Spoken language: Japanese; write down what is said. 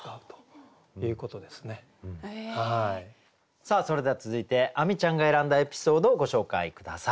さあそれでは続いて亜美ちゃんが選んだエピソードをご紹介下さい。